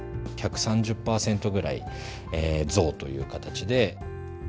１３０％ぐらい増という形で。